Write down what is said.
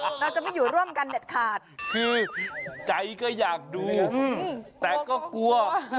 เราจะไม่อยู่ร่วมกันเด็ดขาดคือใจก็อยากดูแต่ก็กลัว